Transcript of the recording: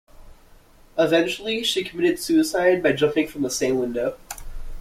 Eventually, she committed suicide by jumping from the same window.